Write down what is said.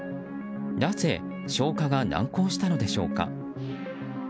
なぜ消火が難航したのでしょうか。